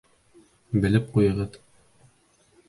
Белеп ҡуйығыҙ.